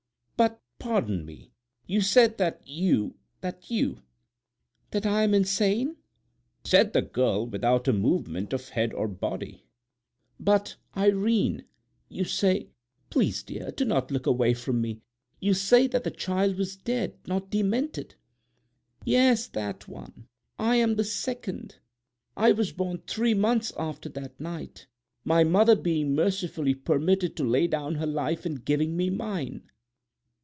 But, pardon me, you said that you—that you—" "That I am insane," said the girl, without a movement of head or body. "But, Irene, you say—please, dear, do not look away from me—you say that the child was dead, not demented." "Yes, that one—I am the second. I was born three months after that night, my mother being mercifully permitted to lay down her life in giving me mine."